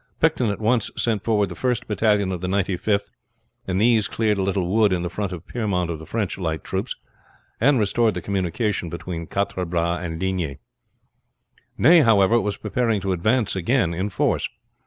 Picton at once sent forward the first battalion of the Ninety fifth, and these cleared a little wood in the front of Piermont of the French light troops, and restored the communication between Quatre Bras and Ligny. Ney, however, was preparing to advance again in force.